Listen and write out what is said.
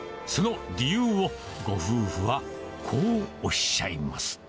その理由を、ご夫婦はこうおっしゃいます。